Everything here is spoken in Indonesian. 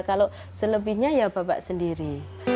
kalau selebihnya ya bapak sendiri